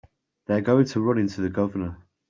You're going to run into the Governor.